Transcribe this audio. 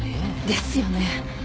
ですよね。